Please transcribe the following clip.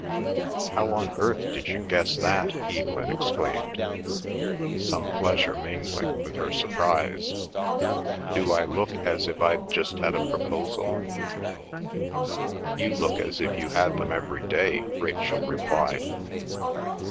"How on earth did you guess that?" Evelyn exclaimed, some pleasure mingling with her surprise. "Do as I look as if I'd just had a proposal?" "You look as if you had them every day," Rachel replied.